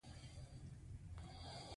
ملګری د صداقت نوم دی